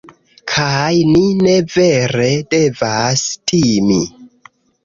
kaj ni ne vere devas timi